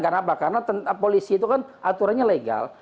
kenapa karena polisi itu kan aturannya legal